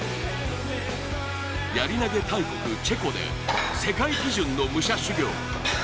やり投大国・チェコで世界基準の武者修行。